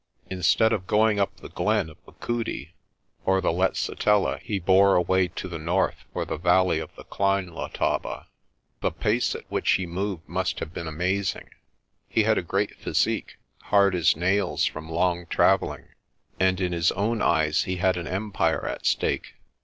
Instead of going up the glen of Machudi or the Letsitela he bore away to the north for the valley ARCOLL'S SHEPHERDING 225 of the Klein Letaba. The pace at which he moved must have been amazing. He had a great physique, hard as nails from long travelling, and in his own eyes he had an empire at stake.